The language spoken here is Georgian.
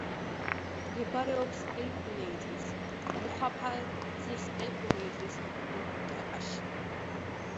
მდებარეობს ელ-კუნეიტრის მუჰაფაზის ელ-კუნეიტრის მინტაკაში.